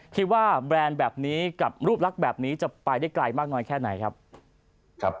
แบรนด์แบบนี้กับรูปลักษณ์แบบนี้จะไปได้ไกลมากน้อยแค่ไหนครับ